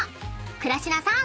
［倉科さん